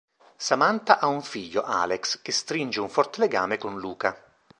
Samantha ha un figlio, Alex, che stringe un forte legame con Luka.